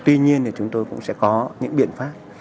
tuy nhiên thì chúng tôi cũng sẽ có những biện pháp